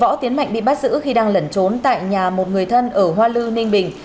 võ tiến mạnh bị bắt giữ khi đang lẩn trốn tại nhà một người thân ở hoa lư ninh bình